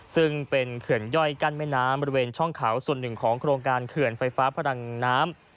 ซึ่งเป็นเขื่อนย่อยกั้นแม่น้ำบริเวณช่องเขาส่วนหนึ่งของโครงการเขื่อนไฟฟ้าพลังน้ำ